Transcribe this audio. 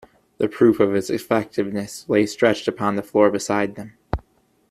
The proof of its effectiveness lay stretched upon the floor beside them.